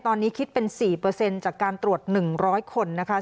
ตอนนี้คิดเป็น๔จากการตรวจ๑๐๐คนนะคะ